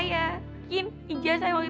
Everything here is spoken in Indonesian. ya ah kita harus dikulih